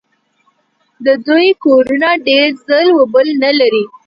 د دوی کورونه ډېر ځل و بل نه لري.